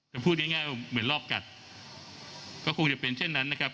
พูดง่ายว่าเหมือนรอบกัดก็คงจะเป็นเช่นนั้นนะครับ